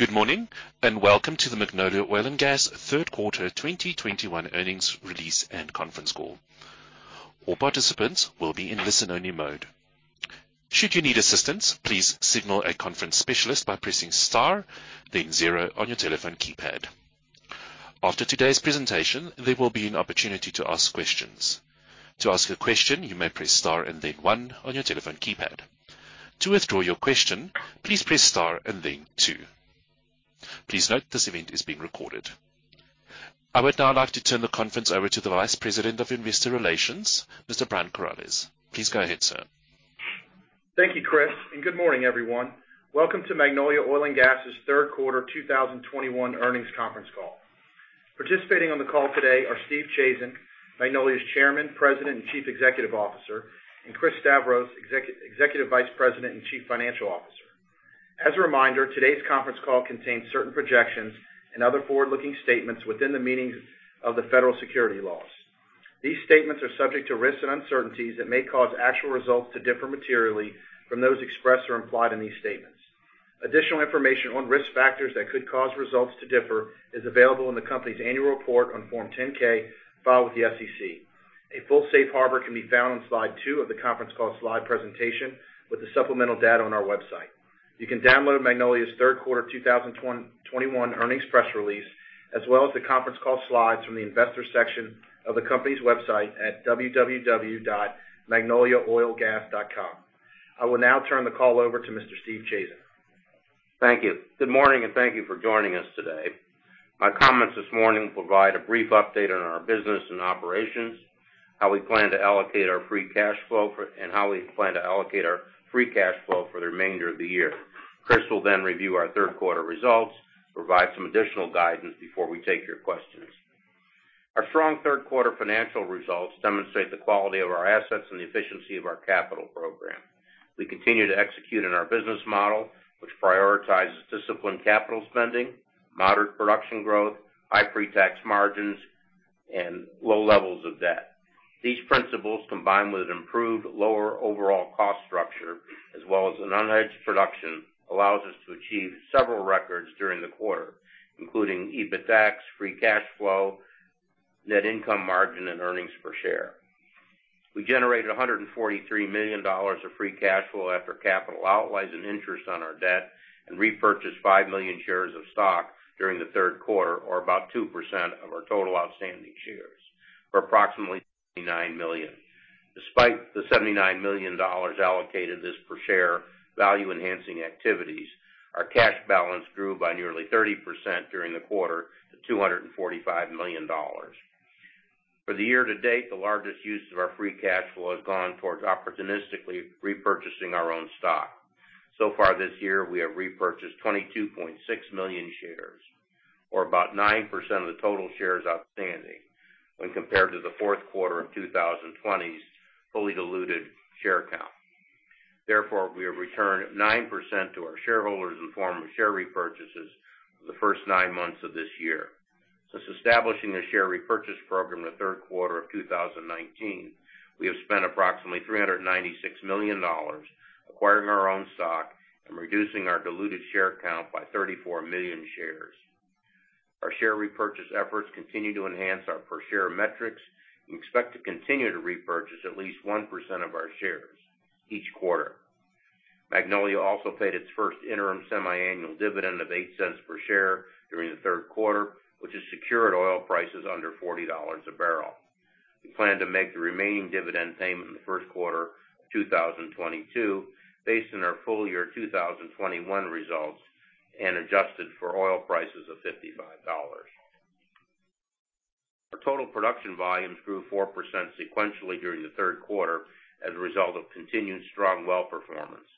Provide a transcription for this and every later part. Good morning, and welcome to the Magnolia Oil & Gas Q3 2021 earnings release and conference call. All participants will be in listen-only mode. Should you need assistance, please signal a conference specialist by pressing Star, then zero on your telephone keypad. After today's presentation, there will be an opportunity to ask questions. To ask a question, you may press Star and then one on your telephone keypad. To withdraw your question, please press Star and then two. Please note this event is being recorded. I would now like to turn the conference over to the Vice President of Investor Relations, Mr. Brian Corales. Please go ahead, sir. Thank you, Chris, and good morning, everyone. Welcome to Magnolia Oil & Gas' Q3 2021 earnings conference call. Participating on the call today are Steve Chazen, Magnolia's Chairman, President, and Chief Executive Officer, and Chris Stavros, Executive Vice President and Chief Financial Officer. As a reminder, today's conference call contains certain projections and other forward-looking statements within the meanings of the federal securities laws. These statements are subject to risks and uncertainties that may cause actual results to differ materially from those expressed or implied in these statements. Additional information on risk factors that could cause results to differ is available in the company's annual report on Form 10-K filed with the SEC. A full safe harbor can be found on slide 2 of the conference call slide presentation with the supplemental data on our website. You can download Magnolia's Q3 2021 earnings press release, as well as the conference call slides from the investor section of the company's website at www.magnoliaoilgas.com. I will now turn the call over to Mr. Steve Chazen. Thank you. Good morning, and thank you for joining us today. My comments this morning will provide a brief update on our business and operations, how we plan to allocate our free cash flow for the remainder of the year. Chris will then review our Q3 results, provide some additional guidance before we take your questions. Our strong Q3 financial results demonstrate the quality of our assets and the efficiency of our capital program. We continue to execute in our business model, which prioritizes disciplined capital spending, moderate production growth, high pre-tax margins, and low levels of debt. These principles, combined with an improved lower overall cost structure as well as an unhedged production, allows us to achieve several records during the quarter, including EBITDAX, free cash flow, net income margin, and earnings per share. We generated $143 million of free cash flow after capital outlays and interest on our debt, and repurchased 5 million shares of stock during the Q3, or about 2% of our total outstanding shares, for approximately $99 million. Despite the $79 million allocated to share value-enhancing activities, our cash balance grew by nearly 30% during the quarter to $245 million. For the year to date, the largest use of our free cash flow has gone towards opportunistically repurchasing our own stock. So far this year, we have repurchased 22.6 million shares, or about 9% of the total shares outstanding when compared to the Q4 of 2020's fully diluted share count. Therefore, we have returned 9% to our shareholders in form of share repurchases for the first 9 months of this year. Since establishing a share repurchase program in the Q3 of 2019, we have spent approximately $396 million acquiring our own stock and reducing our diluted share count by 34 million shares. Our share repurchase efforts continue to enhance our per share metrics. We expect to continue to repurchase at least 1% of our shares each quarter. Magnolia also paid its first interim semiannual dividend of $0.08 per share during the Q3, which was secured despite oil prices under $40 a barrel. We plan to make the remaining dividend payment in the Q1 of 2022, based on our full year 2021 results and adjusted for oil prices of $55. Our total production volumes grew 4% sequentially during the Q3 as a result of continued strong well performance,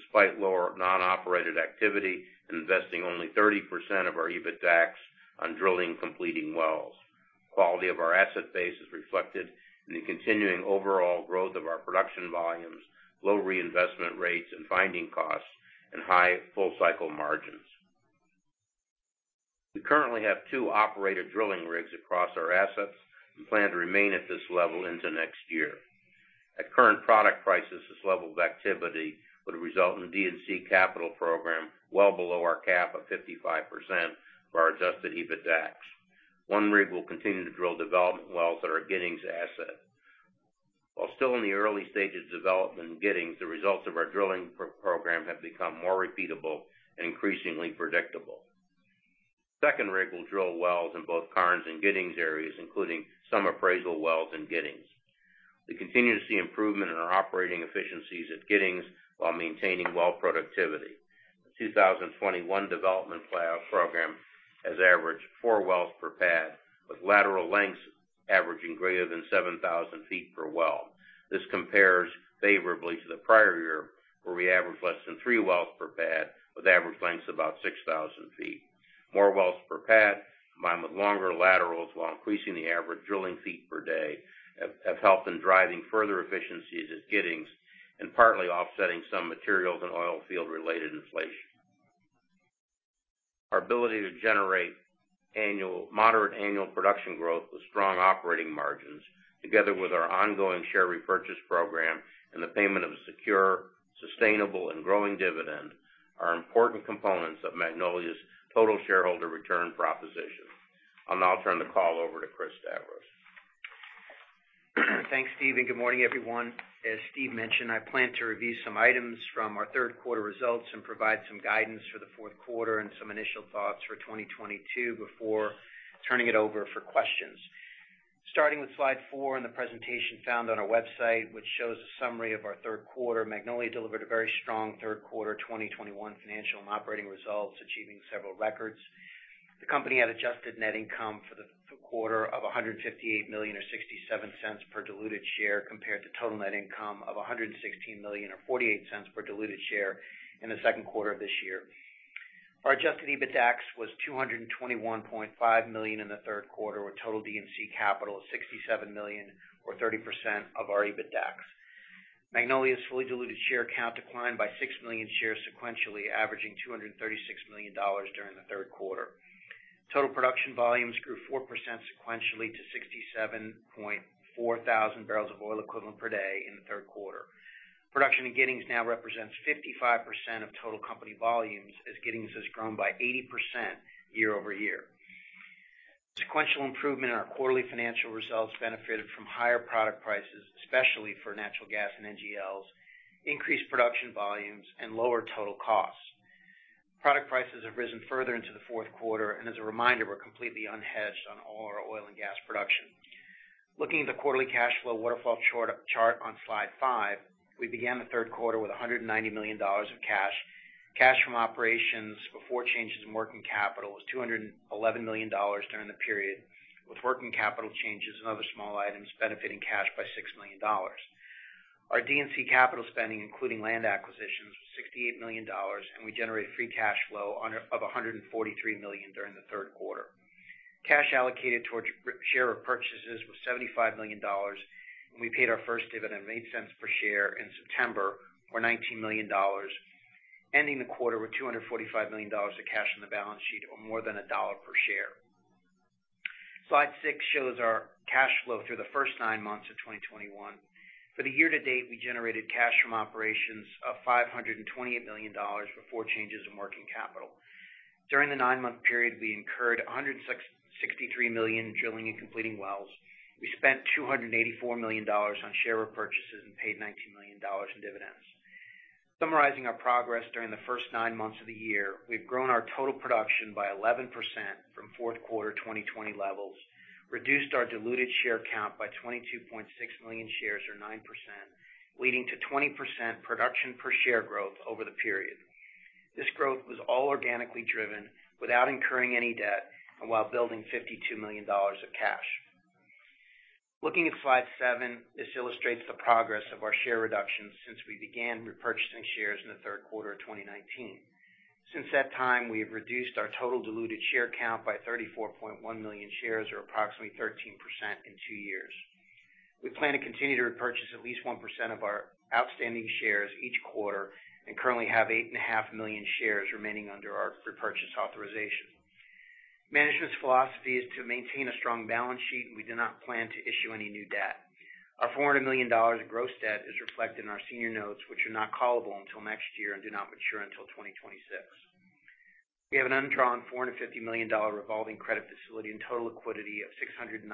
despite lower non-operated activity, investing only 30% of our EBITDAX on drilling and completing wells. Quality of our asset base is reflected in the continuing overall growth of our production volumes, low reinvestment rates and finding costs, and high full cycle margins. We currently have two operator drilling rigs across our assets. We plan to remain at this level into next year. At current product prices, this level of activity would result in D&C capital program well below our cap of 55% of our adjusted EBITDAX. One rig will continue to drill development wells at our Giddings asset. While still in the early stages of development in Giddings, the results of our drilling program have become more repeatable and increasingly predictable. Second rig will drill wells in both Karnes and Giddings areas, including some appraisal wells in Giddings. We continue to see improvement in our operating efficiencies at Giddings while maintaining well productivity. The 2021 development plan program has averaged four wells per pad, with lateral lengths averaging greater than 7,000 feet per well. This compares favorably to the prior year, where we averaged less than three wells per pad, with average lengths about 6,000 feet. More wells per pad, combined with longer laterals while increasing the average drilling feet per day, have helped in driving further efficiencies at Giddings and partly offsetting some materials and oil field-related inflation. Our ability to generate moderate annual production growth with strong operating margins, together with our ongoing share repurchase program and the payment of a secure, sustainable, and growing dividend are important components of Magnolia's total shareholder return proposition. I'll now turn the call over to Chris Stavros. Thanks, Steve, and good morning, everyone. As Steve mentioned, I plan to review some items from our Q3 results and provide some guidance for the Q4 and some initial thoughts for 2022 before turning it over for questions. Starting with slide four in the presentation found on our website, which shows a summary of our Q3, Magnolia delivered a very strong Q3 2021 financial and operating results, achieving several records. The company had adjusted net income for the quarter of $158 million, or $0.67 per diluted share compared to total net income of $116 million or $0.48 per diluted share in the Q2 of this year. Our adjusted EBITDA was $221.5 million in the Q3, with total D&C capital of $67 million or 30% of our EBITDA. Magnolia's fully diluted share count declined by 6 million shares sequentially, averaging 236 million shares during the Q3. Total production volumes grew 4% sequentially to 67.4 thousand barrels of oil equivalent per day in the Q3. Production in Giddings now represents 55% of total company volumes as Giddings has grown by 80% year-over-year. Sequential improvement in our quarterly financial results benefited from higher product prices, especially for natural gas and NGLs, increased production volumes, and lower total costs. Product prices have risen further into the Q4, and as a reminder, we're completely unhedged on all our oil and gas production. Looking at the quarterly cash flow waterfall chart on slide 5, we began the Q3 with $190 million of cash. Cash from operations before changes in working capital was $211 million during the period, with working capital changes and other small items benefiting cash by $6 million. Our D&C capital spending, including land acquisitions, was $68 million, and we generated free cash flow of $143 million during the Q3. Cash allocated towards share repurchases was $75 million, and we paid our first dividend of $0.08 per share in September, or $19 million, ending the quarter with $245 million of cash on the balance sheet, or more than $1 per share. Slide six shows our cash flow through the first nine months of 2021. For the year to date, we generated cash from operations of $528 million before changes in working capital. During the nine-month period, we incurred $163 million on drilling and completing wells. We spent $284 million on share repurchases and paid $19 million in dividends. Summarizing our progress during the first nine months of the year, we've grown our total production by 11% from Q4 2020 levels, reduced our diluted share count by 22.6 million shares or 9%, leading to 20% production per share growth over the period. This growth was all organically driven without incurring any debt and while building $52 million of cash. Looking at slide seven, this illustrates the progress of our share reductions since we began repurchasing shares in the Q3 of 2019. Since that time, we have reduced our total diluted share count by 34.1 million shares, or approximately 13% in two years. We plan to continue to repurchase at least 1% of our outstanding shares each quarter and currently have 8.5 million shares remaining under our repurchase authorization. Management's philosophy is to maintain a strong balance sheet, and we do not plan to issue any new debt. Our $400 million of gross debt is reflected in our senior notes, which are not callable until next year and do not mature until 2026. We have an undrawn $450 million revolving credit facility and total liquidity of $695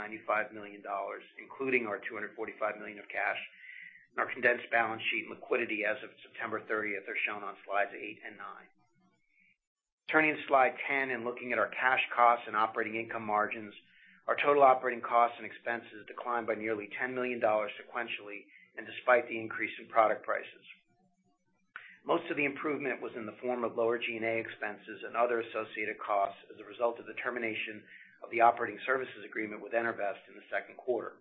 million, including our $245 million of cash. Our condensed balance sheet and liquidity as of September 30th are shown on slides eight and nine. Turning to slide 10 and looking at our cash costs and operating income margins, our total operating costs and expenses declined by nearly $10 million sequentially and despite the increase in product prices. Most of the improvement was in the form of lower G&A expenses and other associated costs as a result of the termination of the operating services agreement with EnerVest in the Q2.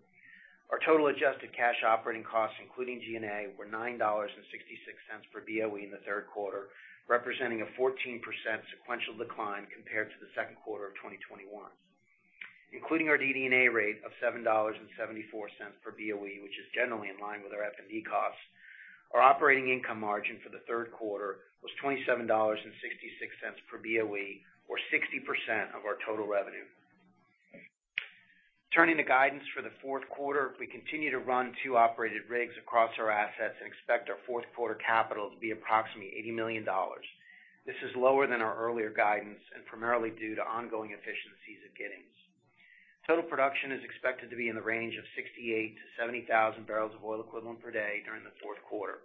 Our total adjusted cash operating costs, including G&A, were $9.66 per BOE in the Q3, representing a 14% sequential decline compared to the Q2 of 2021. Including our DD&A rate of $7.74 per BOE, which is generally in line with our F&D costs, our operating income margin for the Q3 was $27.66 per BOE or 60% of our total revenue. Turning to guidance for the Q4, we continue to run two operated rigs across our assets and expect our Q4 capital to be approximately $80 million. This is lower than our earlier guidance and primarily due to ongoing efficiencies at Giddings. Total production is expected to be in the range of 68,000-70,000 barrels of oil equivalent per day during the Q4.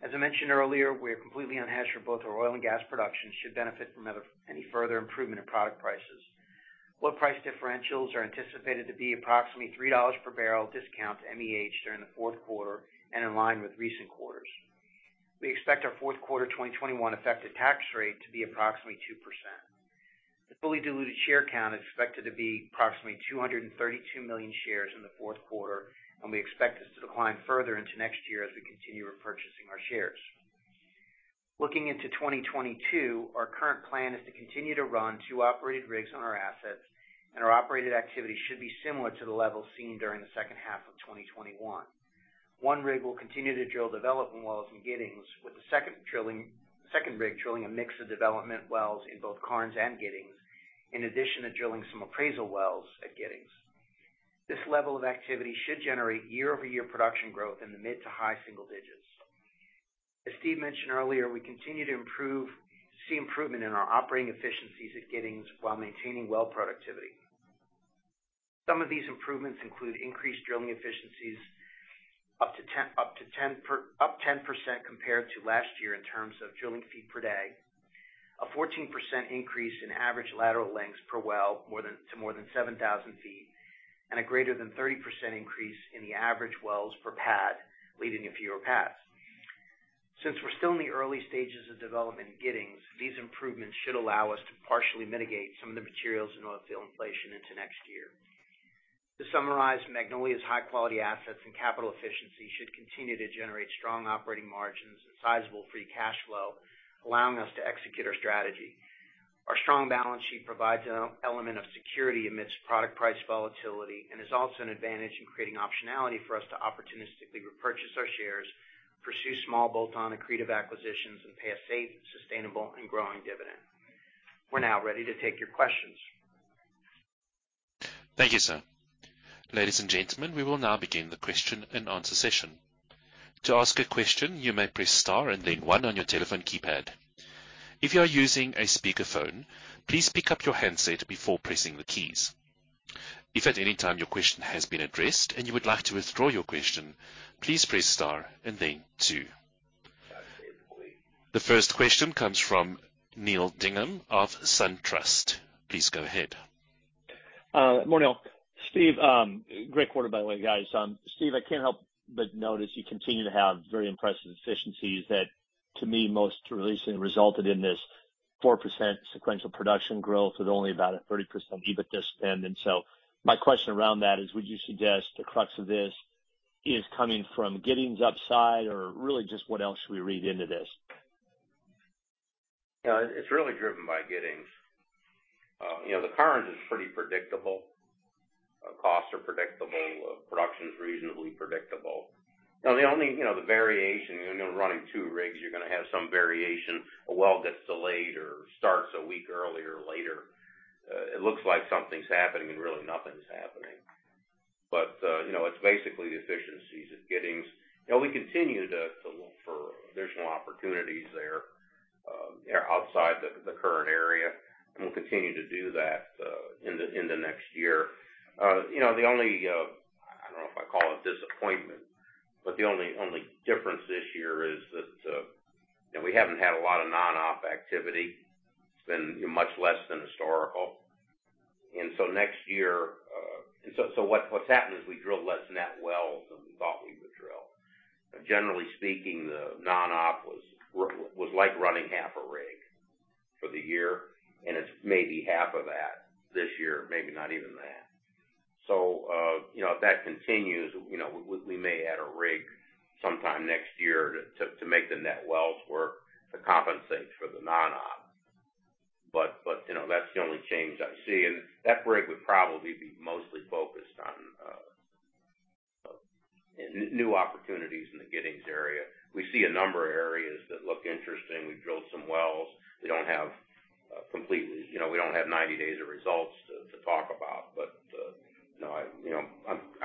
As I mentioned earlier, we are completely unhedged for both our oil and gas production should benefit from any further improvement in product prices. Oil price differentials are anticipated to be approximately $3 per barrel discount to MEH during the Q4 and in line with recent quarters. We expect our Q4 2021 effective tax rate to be approximately 2%. The fully diluted share count is expected to be approximately 232 million shares in the Q4, and we expect this to decline further into next year as we continue repurchasing our shares. Looking into 2022, our current plan is to continue to run two operated rigs on our assets. Our operated activity should be similar to the level seen during the H2 of 2021. One rig will continue to drill development wells in Giddings, with the second rig drilling a mix of development wells in both Karnes and Giddings, in addition to drilling some appraisal wells at Giddings. This level of activity should generate year-over-year production growth in the mid- to high-single digits. As Steve mentioned earlier, we continue to see improvement in our operating efficiencies at Giddings while maintaining well productivity. Some of these improvements include increased drilling efficiencies up 10% compared to last year in terms of drilling feet per day. A 14% increase in average lateral lengths per well to more than 7,000 feet, and a greater than 30% increase in the average wells per pad, leading to fewer pads. Since we're still in the early stages of development in Giddings, these improvements should allow us to partially mitigate some of the materials and oil field inflation into next year. To summarize, Magnolia's high quality assets and capital efficiency should continue to generate strong operating margins and sizable free cash flow, allowing us to execute our strategy. Our strong balance sheet provides an element of security amidst product price volatility, and is also an advantage in creating optionality for us to opportunistically repurchase our shares, pursue small bolt-on accretive acquisitions, and pay a safe, sustainable, and growing dividend. We're now ready to take your questions. Thank you, sir. Ladies and gentlemen, we will now begin the question and answer session. To ask a question, you may press star and then one on your telephone keypad. If you are using a speakerphone, please pick up your handset before pressing the keys. If at any time your question has been addressed and you would like to withdraw your question, please press star and then two. The first question comes from Neal Dingmann of Truist. Please go ahead. Good morning, all. Steve, great quarter, by the way, guys. Steve, I can't help but notice you continue to have very impressive efficiencies that to me most recently resulted in this 4% sequential production growth with only about a 30% EBITDA spend. My question around that is, would you suggest the crux of this is coming from Giddings upside, or really just what else should we read into this? Yeah, it's really driven by Giddings. You know, the Karnes is pretty predictable. Costs are predictable. Production's reasonably predictable. You know, the only, you know, the variation, you know, running two rigs, you're going to have some variation. A well gets delayed or starts a week earlier or later. It looks like something's happening, and really nothing's happening. You know, it's basically the efficiencies at Giddings. You know, we continue to look for additional opportunities there, you know, outside the current area, and we'll continue to do that in the next year. You know, the only, I don't know if I'd call it disappointment, but the only difference this year is that, you know, we haven't had a lot of non-op activity. It's been much less than historical. Next year. What's happened is we drilled less net wells than we thought we would drill. Generally speaking, the non-op was like running half a rig for the year, and it's maybe half of that this year, maybe not even that. If that continues, you know, we may add a rig sometime next year to make the net wells work to compensate for the non-op. You know, that's the only change I see. That rig would probably be mostly focused on new opportunities in the Giddings area. We see a number of areas that look interesting. We've drilled some wells. We don't have complete, you know, we don't have 90 days of results to talk about. You know,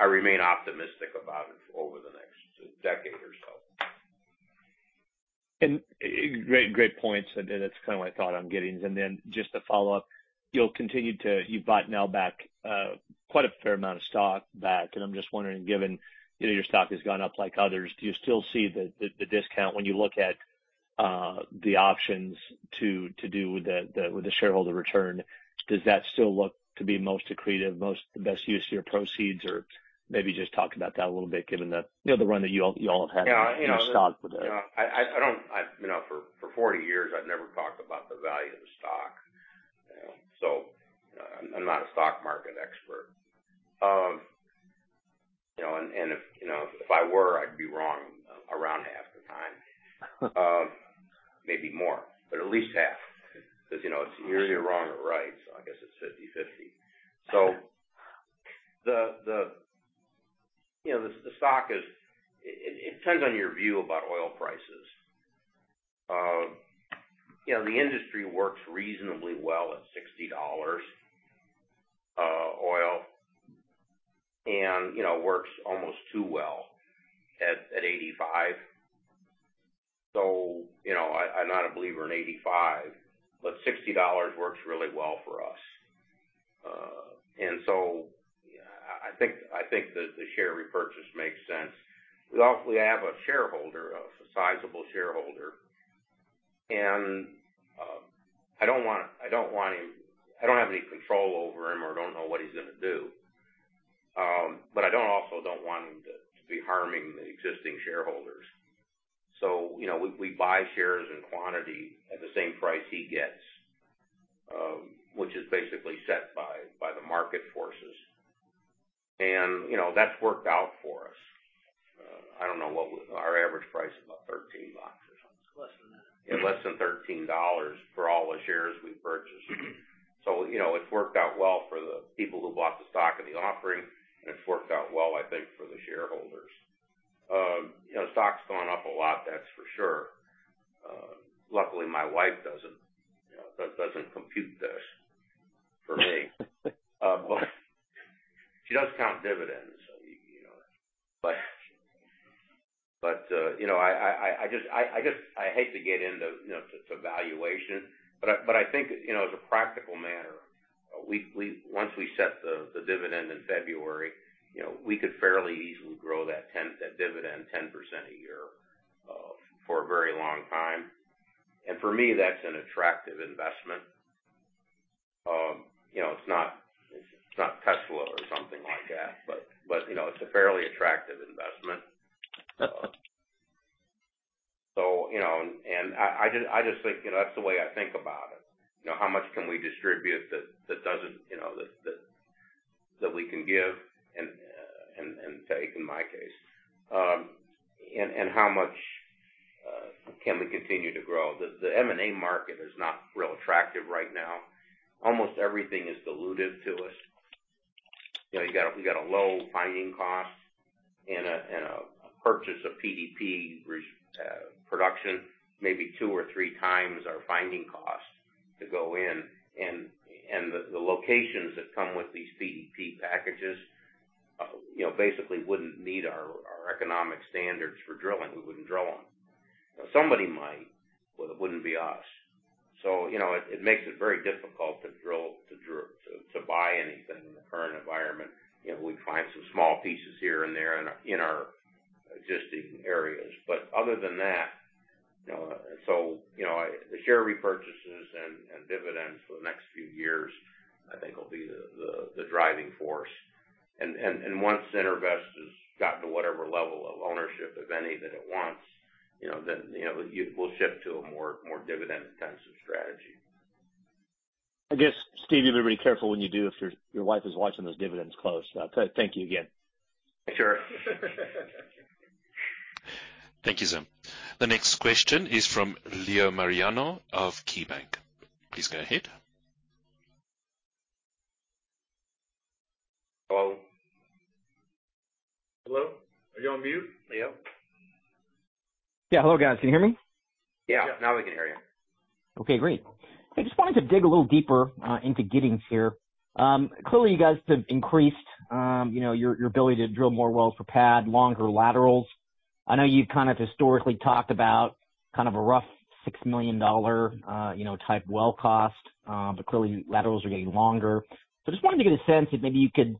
I remain optimistic about it over the next decade or so. Great points. That's kind of what I thought on Giddings. Then just to follow up, you've bought back now quite a fair amount of stock back, and I'm just wondering, given, you know, your stock has gone up like others, do you still see the discount when you look at the options to do with the shareholder return? Does that still look to be most accretive, the best use of your proceeds? Maybe just talk about that a little bit, given the, you know, the run that you all have had with your stock today. Yeah. You know, I don't. I've, you know, for 40 years I've never talked about the value of the stock. I'm not a stock market expert. You know, and if, you know, if I were, I'd be wrong around half the time. Maybe more, but at least half. 'Cause, you know, it's usually you're wrong or right, so I guess it's 50-50. The stock is. It depends on your view about oil prices. You know, the industry works reasonably well at $60 oil and, you know, works almost too well at $85. You know, I'm not a believer in $85, but $60 works really well for us. I think the share repurchase makes sense. We also have a sizable shareholder, and I don't want him. I don't have any control over him or don't know what he's going to do. But I also don't want him to be harming the existing shareholders. You know, we buy shares in quantity at the same price he gets, which is basically set by the market forces. You know, that's worked out for us. I don't know what our average price is, about $13 in less than $13 for all the shares we've purchased. You know, it's worked out well for the people who bought the stock in the offering, and it's worked out well, I think, for the shareholders. You know, stock's gone up a lot, that's for sure. Luckily, my wife doesn't, you know, compute this for me. But she does count dividends, so you know. I just hate to get into, you know, valuation, but I think, you know, as a practical matter, once we set the dividend in February, you know, we could fairly easily grow that dividend 10% a year for a very long time. For me, that's an attractive investment. You know, it's not Tesla or something like that, but you know, it's a fairly attractive investment. I just think, you know, that's the way I think about it. You know, how much can we distribute that doesn't, you know, that we can give and take in my case. How much can we continue to grow? The M&A market is not real attractive right now. Almost everything is dilutive to us. You know, we got a low finding cost and a purchase of PDP production, maybe two or three times our finding cost to go in. The locations that come with these PDP packages, you know, basically wouldn't meet our economic standards for drilling. We wouldn't drill them. Somebody might, but it wouldn't be us. You know, it makes it very difficult to buy anything in the current environment. You know, we find some small pieces here and there in our existing areas. Other than that, you know, the share repurchases and dividends for the next few years, I think will be the driving force. Once EnerVest has gotten to whatever level of ownership of any that it wants, you know, then, you know, we'll shift to a more dividend-intensive strategy. I guess, Steve, you'll be very careful when you do, if your wife is watching those dividends close. Thank you again. Sure. Thank you, sir. The next question is from Leo Mariani of KeyBanc Capital Markets. Please go ahead. Hello? Hello? Are you on mute, Leo? Yeah. Hello, guys. Can you hear me? Yeah. Now we can hear you. Okay, great. I just wanted to dig a little deeper into Giddings here. Clearly, you guys have increased, you know, your ability to drill more wells per pad, longer laterals. I know you've kind of historically talked about kind of a rough $6 million, you know, type well cost, but clearly laterals are getting longer. Just wanted to get a sense if maybe you could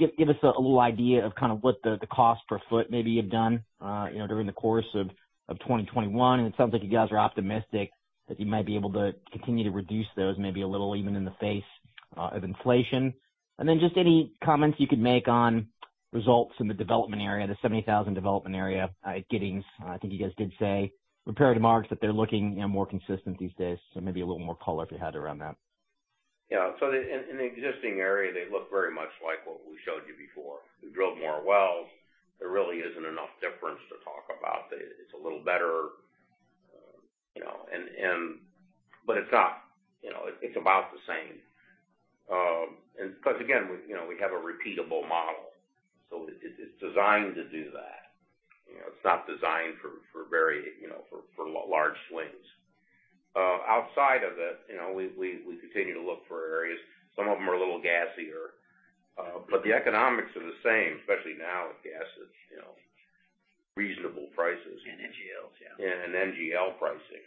give us a little idea of kind of what the cost per foot maybe you've done, you know, during the course of 2021. It sounds like you guys are optimistic that you might be able to continue to reduce those maybe a little even in the face of inflation. Just any comments you could make on results in the development area, the 70,000-development area at Giddings. I think you guys did say, compared to Marks, that they're looking, you know, more consistent these days. Maybe a little more color if you had around that. Yeah. In the existing area, they look very much like what we showed you before. We drilled more wells. There really isn't enough difference to talk about. It's a little better, you know, but it's not. You know, it's about the same. Because again, we, you know, have a repeatable model, so it's designed to do that. You know, it's not designed for very, you know, large swings. Outside of it, you know, we continue to look for areas. Some of them are a little gassier, but the economics are the same, especially now with gas at, you know, reasonable prices. NGLs, yeah. NGL pricing.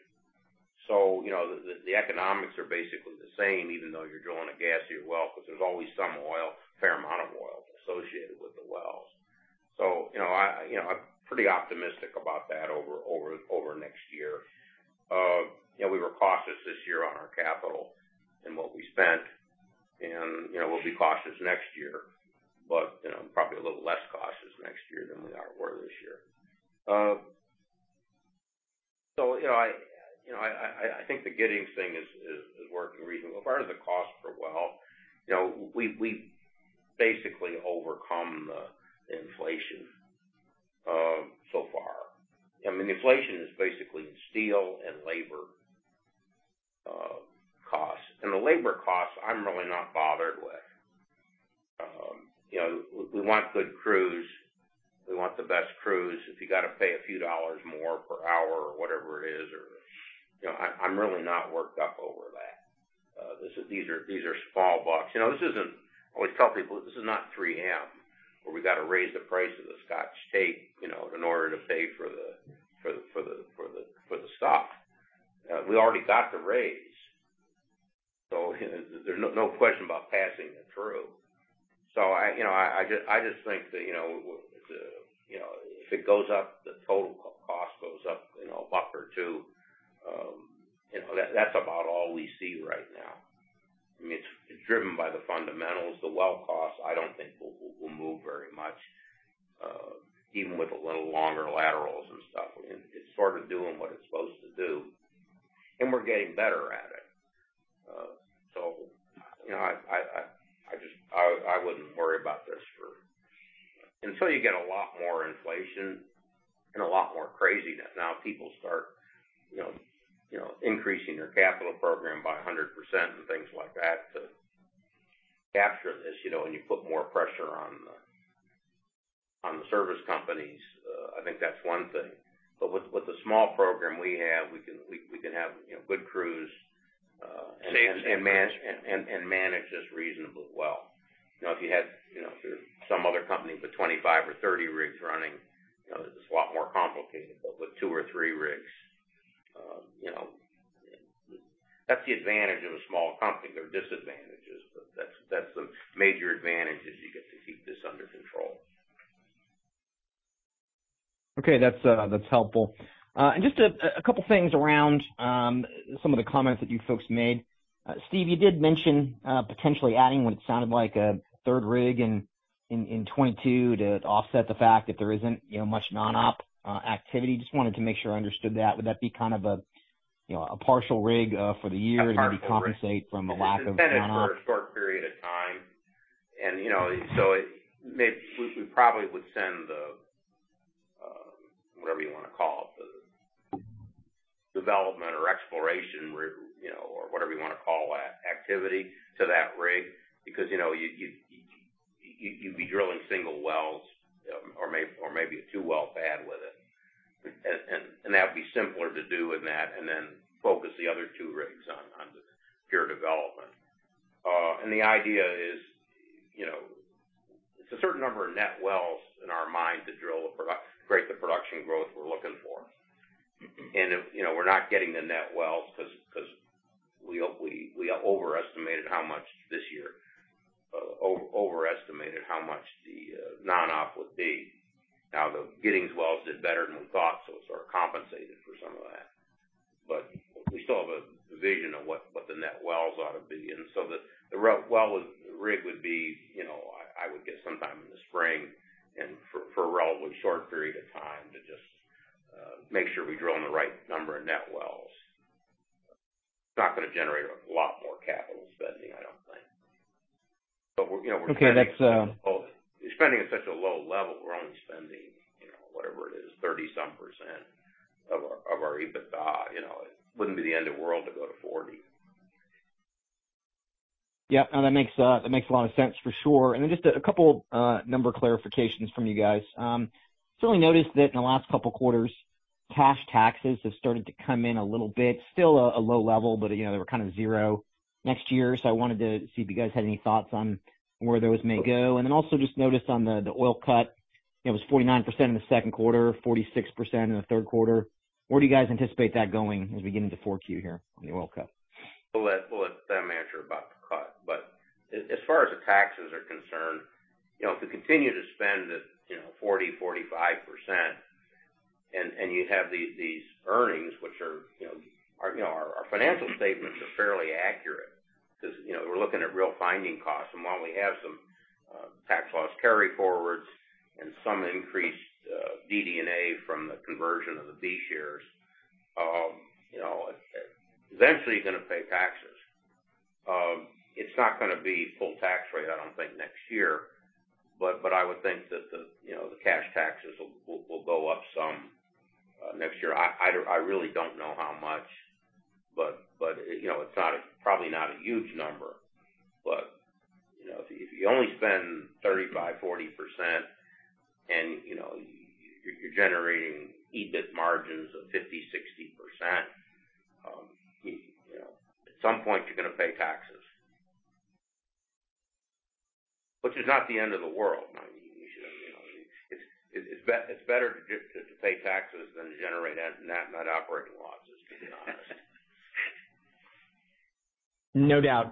You know, the economics are basically the same even though you're drilling a gassier well, because there's always some oil, a fair amount of oil associated with the wells. You know, I'm pretty optimistic about that over next year. You know, we were cautious this year on our capital and what we spent, and, you know, we'll be cautious next year, but, you know, probably a little less cautious next year than we were this year. You know, I think the Giddings thing is working reasonably. As far as the cost per well, you know, we've basically overcome the inflation so far. I mean, inflation is basically steel and labor costs. The labor costs, I'm really not bothered with. You know, we want good crews. We want the best crews. If you got to pay a few dollars more per hour or whatever it is. You know, I'm really not worked up over that. These are small bucks. You know, I always tell people this is not 3M, where we got to raise the price of the Scotch tape, you know, in order to pay for the stock. We already got the raise, so there's no question about passing it through. I just think that, you know, if it goes up, the total cost goes up, you know, $1 or $2. You know, that's about all we see right now. I mean, it's driven by the fundamentals. The well cost I don't think will move very much, even with a little longer laterals and stuff. It's sort of doing what it's supposed to do, and we're getting better at it. You know, I just wouldn't worry about this until you get a lot more inflation and a lot more craziness. Now people start, you know, increasing their capital program by 100% and things like that to capture this, you know, and you put more pressure on the service companies. I think that's one thing. But with the small program we have, we can have, you know, good crews, and manage this reasonably well. You know, if you had, you know, if you're some other company with 25 or 30 rigs running, you know, it's a lot more complicated. With two or three rigs, you know. That's the advantage of a small company. There are disadvantages, but that's the major advantage is you get to keep this under control. Okay. That's helpful. Just a couple things around some of the comments that you folks made. Steve, you did mention potentially adding what sounded like a third rig in 2022 to offset the fact that there isn't you know much non-op activity. Just wanted to make sure I understood that. Would that be kind of a you know a partial rig for the year? A partial rig. To compensate for the lack of non-op? It's intended for a short period of time. We probably would send the whatever you want to call it, the development or exploration rig, you know, or whatever you want to call that activity to that rig. Because, you know, you'd be drilling single wells, or maybe a two-well pad with it. That would be simpler to do in that, and then focus the other two rigs on the pure development. The idea is, you know, it's a certain number of net wells in our mind to create the production growth we're looking for. If, you know, we're not getting the net wells 'cause we overestimated how much this year, overestimated how much the non-op would be. Now, the Giddings wells did better than we thought, so it sort of compensated for some of that. We still have a vision of what the net wells ought to be. The rig would be, you know, I would guess sometime in the spring and for a relatively short period of time to just make sure we're drilling the right number of net wells. It's not going to generate a lot more capital spending, I don't think. We're, you know, spending- Okay. That's Spending at such a low level, we're only spending, you know, whatever it is, 30-some% of our EBITDA. You know, it wouldn't be the end of the world to go to 40%. Yeah. No, that makes a lot of sense for sure. Then just a couple number clarifications from you guys. Certainly noticed that in the last couple quarters, cash taxes have started to come in a little bit. Still a low level, but you know, they were kind of zero next year. I wanted to see if you guys had any thoughts on where those may go. Then also just noticed on the oil cut, it was 49% in the Q2, 46% in the Q3. Where do you guys anticipate that going as we get into Q4 here on the oil cut? We'll let them answer about the cut. As far as the taxes are concerned, if we continue to spend at 40%-45% and you have these earnings, our financial statements are fairly accurate because we're looking at real finding costs. While we have some tax loss carryforwards and some increased DD&A from the conversion of the B shares, eventually you're going to pay taxes. It's not going to be full tax rate, I don't think next year, but I would think that the cash taxes will go up some next year. I really don't know how much, but it's probably not a huge number. You know, if you only spend 35%-40% and, you know, you're generating EBIT margins of 50%-60%, you know, at some point you're going to pay taxes. Which is not the end of the world. I mean, you should, you know. It's better to just pay taxes than to generate net operating losses, to be honest. No doubt.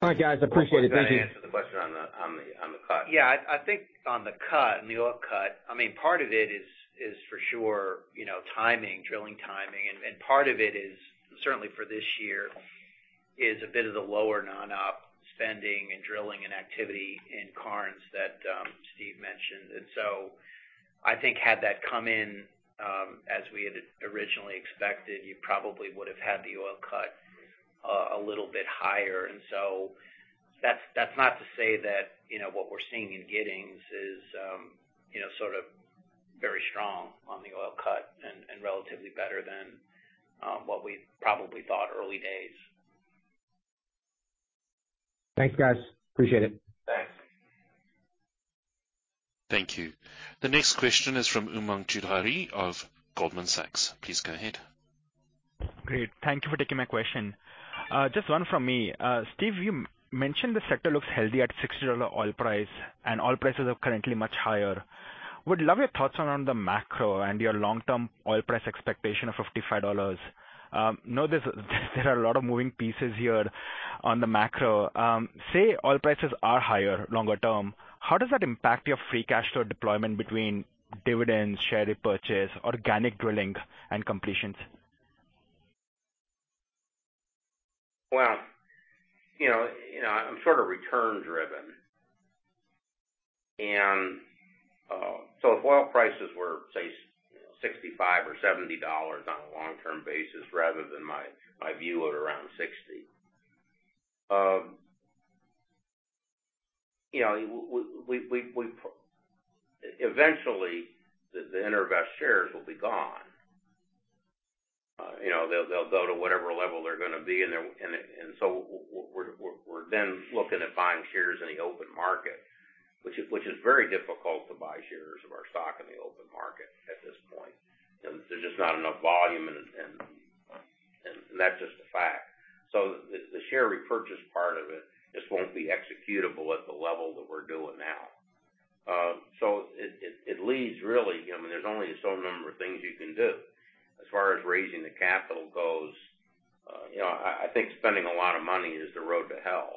All right, guys, appreciate it. Thank you. Well, go ahead and answer the question on the cut. Yeah. I think on the cut, on the oil cut, I mean, part of it is for sure, you know, timing, drilling timing. Part of it is certainly for this year a bit of the lower non-op spending and drilling and activity in Karnes that Steve mentioned. I think had that come in as we had originally expected, you probably would've had the oil cut a little bit higher. That's not to say that, you know, what we're seeing in Giddings is, you know, sort of very strong on the oil cut and relatively better than what we probably thought early days. Thanks, guys. Appreciate it. Thanks. Thank you. The next question is from Umang Choudhary of Goldman Sachs. Please go ahead. Great. Thank you for taking my question. Just one from me. Steve, you mentioned the sector looks healthy at $60 oil price, and oil prices are currently much higher. Would love your thoughts around the macro and your long-term oil price expectation of $55. I know there are a lot of moving pieces here on the macro. Say oil prices are higher longer term, how does that impact your free cash flow deployment between dividends, share repurchase, organic drilling and completions? Well, you know, I'm sort of return-driven. If oil prices were, say, $65 or $70 on a long-term basis, rather than my view at around $60. You know, eventually the EnerVest shares will be gone. You know, they'll go to whatever level they're going to be, and we're then looking at buying shares in the open market, which is very difficult to buy shares of our stock in the open market at this point. There's just not enough volume, and that's just a fact. The share repurchase part of it just won't be executable at the level that we're doing now. It really leaves, I mean, there's only so many things you can do. As far as raising the capital goes, I think spending a lot of money is the road to hell.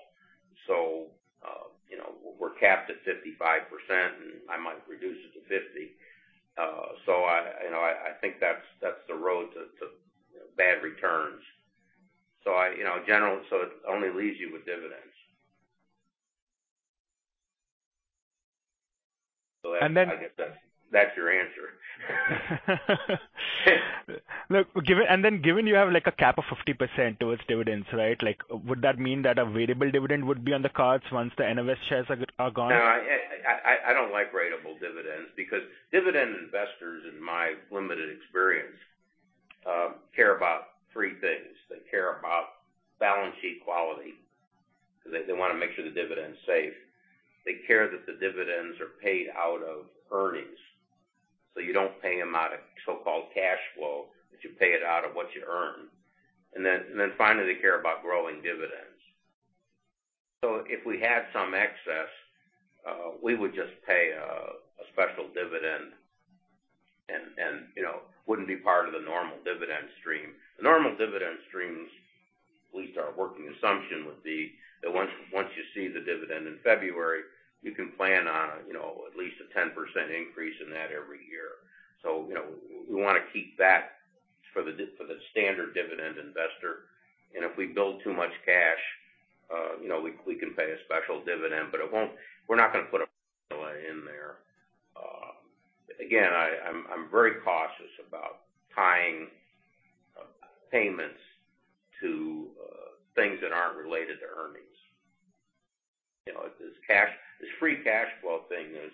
We're capped at 55%, and I might reduce it to 50%. I think that's the road to bad returns. It only leaves you with dividends. And then- I guess that's your answer. Look, given you have, like, a cap of 50% towards dividends, right? Like, would that mean that a variable dividend would be on the cards once the EnerVest shares are gone? No, I don't like ratable dividends because dividend investors, in my limited experience, care about three things. They care about balance sheet quality. They want to make sure the dividend's safe. They care that the dividends are paid out of earnings. You don't pay them out of so-called cash flow, but you pay it out of what you earn. Finally, they care about growing dividends. If we had some excess, we would just pay a special dividend and, you know, wouldn't be part of the normal dividend stream. The normal dividend streams, at least our working assumption would be that once you see the dividend in February, you can plan on, you know, at least a 10% increase in that every year. You know, we want to keep that for the standard dividend investor. If we build too much cash, you know, we can pay a special dividend, but it won't. We're not going to put a in there. Again, I'm very cautious about tying payments to things that aren't related to earnings. You know, this cash, this free cash flow thing is.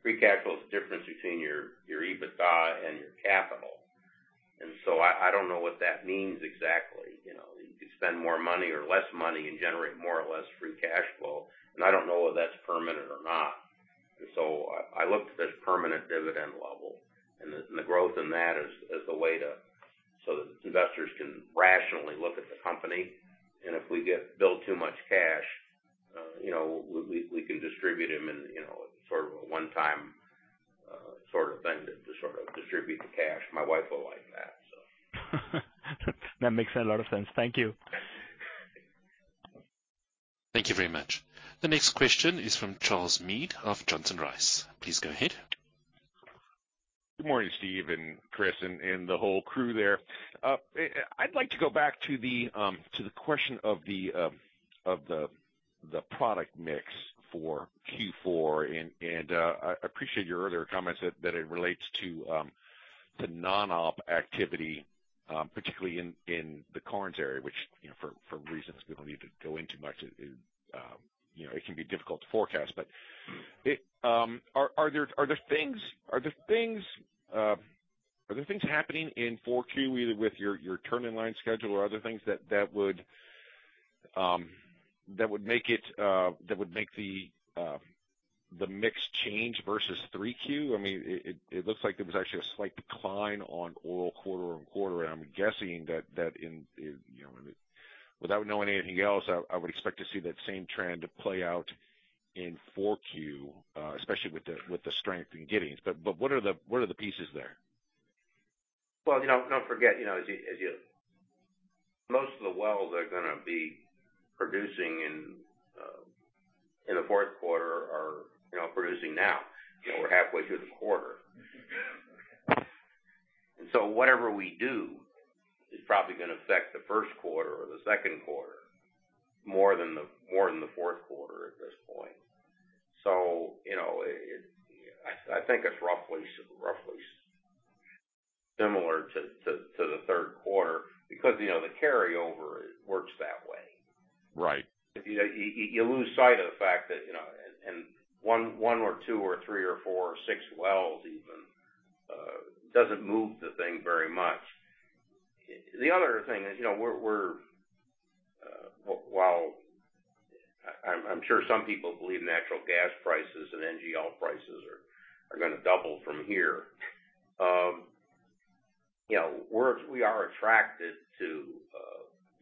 Free cash flow is the difference between your EBITDA and your capital. I don't know what that means exactly. You know, you could spend more money or less money and generate more or less free cash flow, and I don't know whether that's permanent or not. I look to this permanent dividend level and the growth in that as a way to. The investors can rationally look at the company, and if we build too much cash, you know, we can distribute them in, you know, sort of a one-time, sort of thing to sort of distribute the cash. My wife will like that. That makes a lot of sense. Thank you. Thank you very much. The next question is from Charles Meade of Johnson Rice. Please go ahead. Good morning, Steve and Chris and the whole crew there. I'd like to go back to the question of the product mix for Q4. I appreciate your earlier comments that it relates to non-op activity, particularly in the Karnes area, which you know for reasons we don't need to go into much you know it can be difficult to forecast. Are there things happening in 4Q, either with your turn in line schedule or other things that would make the mix change versus 3Q? I mean, it looks like there was actually a slight decline on oil quarter on quarter, and I'm guessing that in you know, without knowing anything else, I would expect to see that same trend play out in 4Q, especially with the strength in Giddings. What are the pieces there? Well, you know, don't forget, you know, most of the wells are going to be producing in the Q4 are producing now. You know, we're halfway through the quarter. Whatever we do is probably going to affect the Q1 or the Q2 more than the Q4 at this point. You know, I think it's roughly similar to the Q3 because the carryover works that way. Right. If you lose sight of the fact that, you know, and one or two or three or four or six wells even doesn't move the thing very much. The other thing is, you know, while I'm sure some people believe natural gas prices and NGL prices are going to double from here. You know, we are attracted to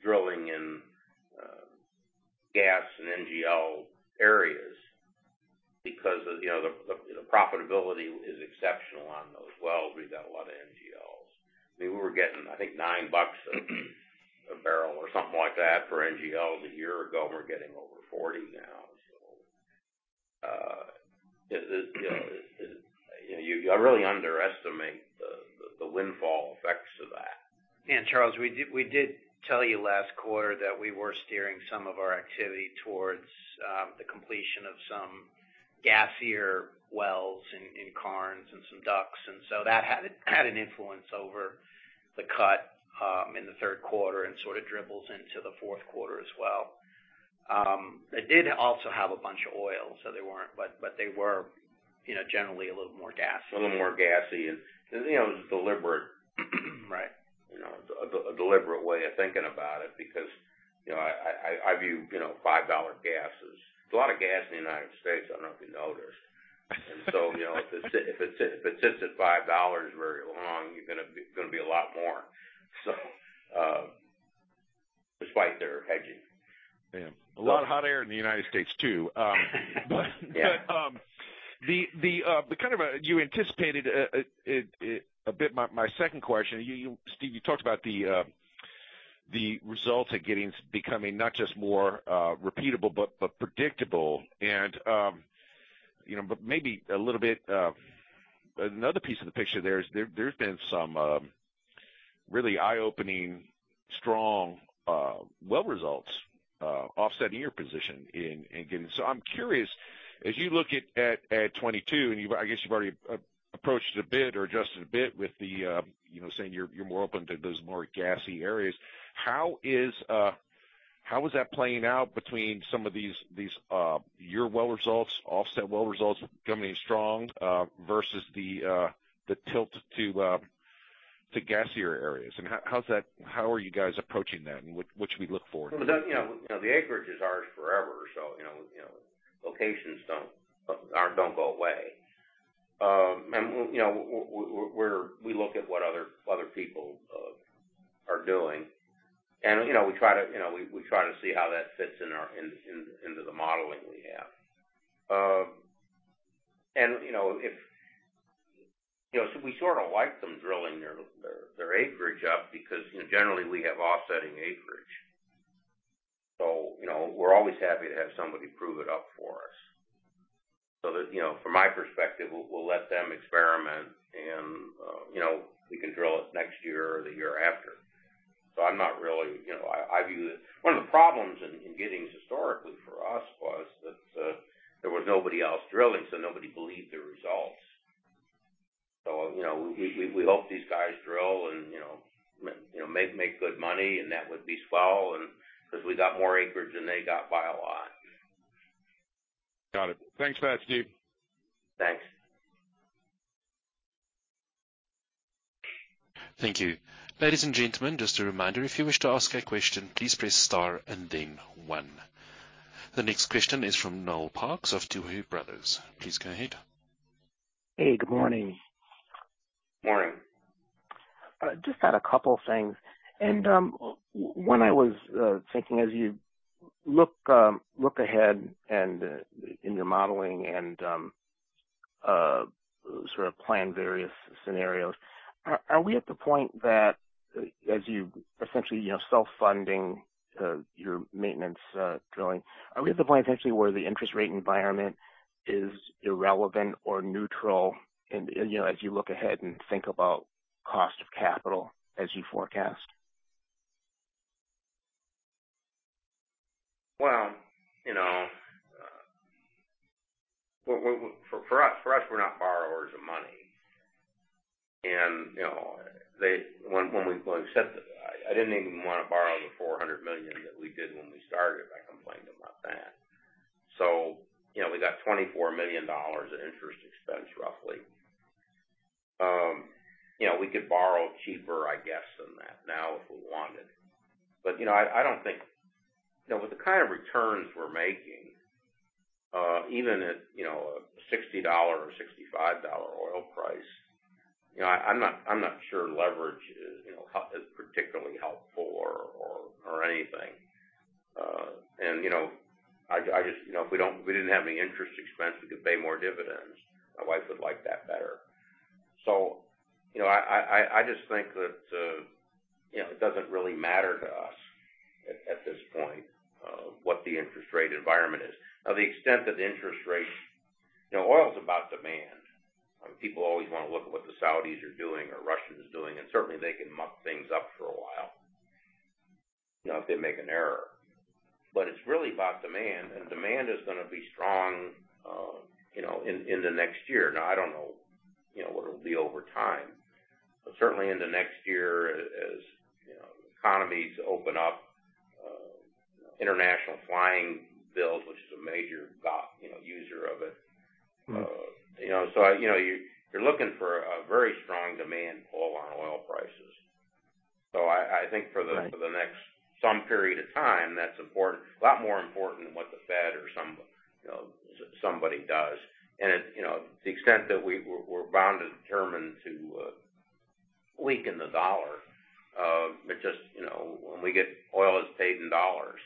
drilling in gas and NGL areas because of, you know, the profitability is exceptional on those wells. We've got a lot of NGLs. I mean, we were getting, I think, $9 a barrel or something like that for NGL a year ago, and we're getting over $40 now. You know, you really underestimate the windfall effects of that. Charles, we did tell you last quarter that we were steering some of our activity towards the completion of some gassier wells in Karnes and DeWitt. That had an influence over the mix in the Q3 and sort of dribbles into the Q4 as well. They did also have a bunch of oil, so they weren't. But they were, you know, generally a little more gassy. A little more gassy. You know, it was deliberate. Right. You know, a deliberate way of thinking about it because, you know, I view, you know, $5 gas is. There's a lot of gas in the United States. I don't know if you noticed. You know, if it sits at $5 very long, you're going to be a lot more. Despite their hedging. Yeah. A lot of hot air in the United States too. You anticipated a bit of my second question. You, Steve, you talked about the results at Giddings becoming not just more repeatable but predictable and, you know, but maybe a little bit, another piece of the picture there's been some really eye-opening, strong well results offsetting your position in Giddings. I'm curious, as you look at 2022, and I guess you've already approached it a bit or adjusted a bit with the, you know, saying you're more open to those more gassy areas. How is that playing out between some of these your well results, offset well results coming in strong versus the tilt to gassier areas? And how's that? How are you guys approaching that, and what should we look for? Well, that, you know, the acreage is ours forever. You know, locations don't go away. We look at what other people are doing. You know, we try to see how that fits into the modeling we have. You know, we sort of like them drilling their acreage up because, you know, generally we have offsetting acreage. You know, we're always happy to have somebody prove it up for us. So that, you know, from my perspective, we'll let them experiment and, you know, we can drill it next year or the year after. I'm not really. You know, I view it. One of the problems in Giddings historically for us was that there was nobody else drilling, so nobody believed the results. You know, we hope these guys drill and, you know, make good money, and that would be swell and because we got more acreage than they got by a lot. Got it. Thanks for that, Steve. Thanks. Thank you. Ladies and gentlemen, just a reminder, if you wish to ask a question, please press star and then one. The next question is from Noel Parks of Tuohy Brothers. Please go ahead. Hey, good morning. Morning. Just had a couple things. When I was thinking as you look ahead in your modeling and sort of plan various scenarios, are we at the point that as you essentially, you know, self-funding your maintenance drilling, essentially where the interest rate environment is irrelevant or neutral, you know, as you look ahead and think about cost of capital as you forecast? Well, you know, for us, we're not borrowers of money. You know, when we said that I didn't even want to borrow the $400 million that we did when we started, I complained about that. You know, we got $24 million in interest expense, roughly. You know, we could borrow cheaper, I guess, than that now if we wanted. You know, I don't think. You know, with the kind of returns we're making, even at a $60 or $65 oil price, you know, I'm not sure leverage is, you know, is particularly helpful or anything. You know, I just, you know, if we didn't have any interest expense, we could pay more dividends. My wife would like that better. I just think that, you know, it doesn't really matter to us at this point what the interest rate environment is. Now, to the extent that interest rates. You know, oil's about demand. People always want to look at what the Saudis are doing or Russians doing, and certainly they can muck things up for a while, you know, if they make an error. It's really about demand, and demand is going to be strong, you know, in the next year. Now, I don't know, you know, what it'll be over time. Certainly in the next year, as you know, economies open up, international flying builds, which is a major user of it. Mm-hmm. You know, so, you know, you're looking for a very strong demand pull on oil prices. I think for the- Right. For the next some period of time, that's important. A lot more important than what the Fed or some, you know, somebody does. It, you know, to the extent that we're bound and determined to weaken the dollar, it just, you know, when we get oil that's paid in dollars.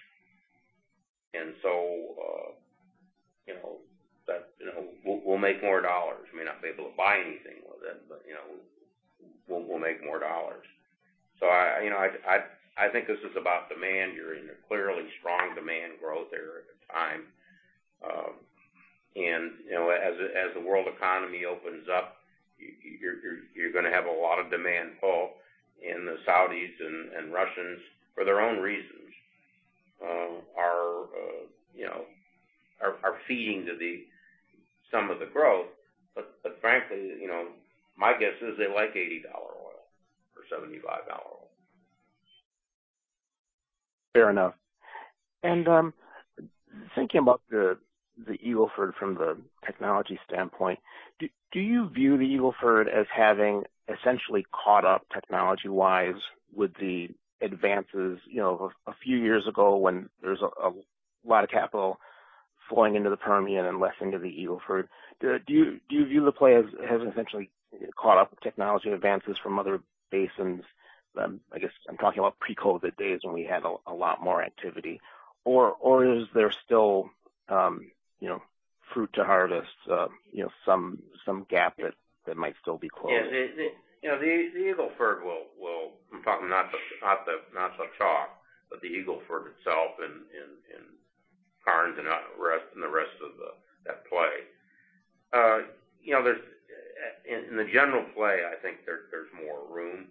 You know, that, you know, we'll make more dollars. We may not be able to buy anything with it, but, you know. We'll make more dollars. I, you know, I think this is about demand. You're in a clearly strong demand growth era at the time. You know, as the world economy opens up, you're going to have a lot of demand pull in the Saudis and Russians for their own reasons, you know, are feeding to some of the growth. Frankly, you know, my guess is they like $80 oil or $75 oil. Fair enough. Thinking about the Eagle Ford from the technology standpoint, do you view the Eagle Ford as having essentially caught up technology-wise with the advances, you know, a few years ago when there's a lot of capital flowing into the Permian and less into the Eagle Ford? Do you view the play as essentially caught up with technology advances from other basins? I guess I'm talking about pre-COVID days when we had a lot more activity. Is there still, you know, fruit to harvest? You know, some gap that might still be closed? Yeah. You know, I'm talking not the Chalk, but the Eagle Ford itself and Karnes and the rest of that play. You know, in the general play, I think there's more room.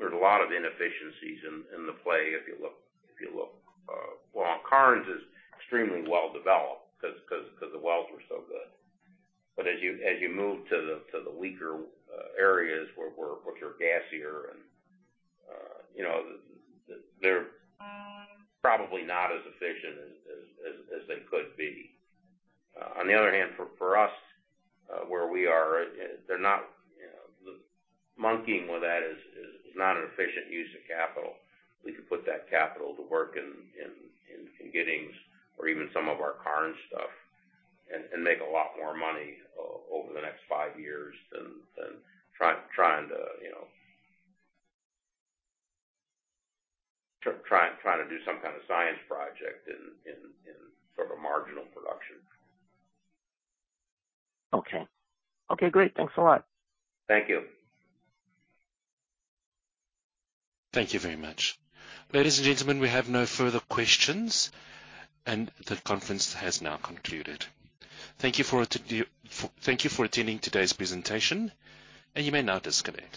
There's a lot of inefficiencies in the play if you look. Well, Karnes is extremely well developed because the wells are so good. As you move to the weaker areas where, which are gassier and you know, they're probably not as efficient as they could be. On the other hand, for us where we are, they're not, you know. Monkeying with that is not an efficient use of capital. We could put that capital to work in Giddings or even some of our Karnes stuff and make a lot more money over the next five years than trying to, you know, do some kind of science project in sort of a marginal production. Okay. Okay, great. Thanks a lot. Thank you. Thank you very much. Ladies and gentlemen, we have no further questions, and the conference has now concluded. Thank you for attending today's presentation, and you may now disconnect.